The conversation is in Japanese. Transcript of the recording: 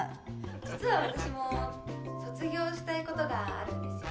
「実は私も卒業したい事があるんですよ」